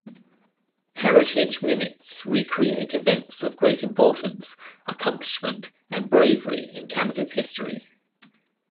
Heritage Minutes recreate events of great importance, accomplishment, and bravery in Canada's history.